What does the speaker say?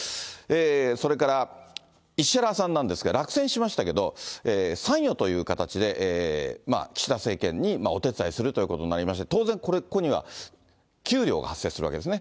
それから石原さんなんですが、落選しましたけど、参与という形で、岸田政権にお手伝いするということになりまして、当然、ここには給料が発生するわけですね。